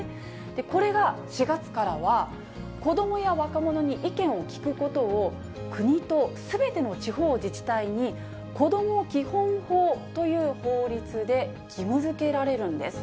これが４月からは、子どもや若者に意見を聞くことを国とすべての地方自治体にこども基本法という法律で義務づけられるんです。